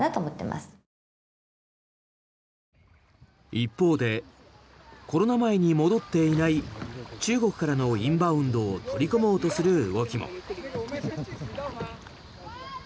一方でコロナ前に戻っていない中国からのインバウンドを取り込もうとする動きも。